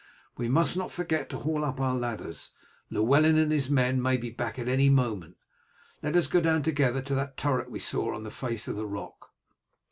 We must not forget to haul up our ladders. Llewellyn and his men may be back at any moment. Let us go down together to that turret we saw on the face of the rock."